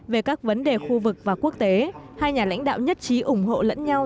về các vấn đề khu vực và quốc tế hai nhà lãnh đạo nhất trí ủng hộ lẫn nhau